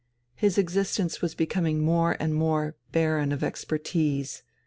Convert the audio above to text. His existence was becoming more and more barren of expertise.